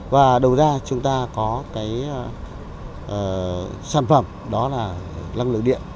và đầu ra chúng ta có sản phẩm đó là lăng lượng điện